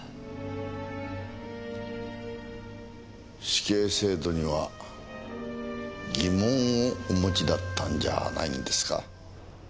死刑制度には疑問をお持ちだったんじゃないんですか？